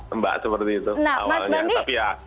nah mas bandi